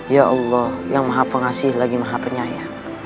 ya allah yang maha pengasih lagi maha penyayang